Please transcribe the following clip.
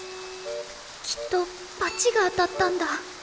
きっとバチが当たったんだ。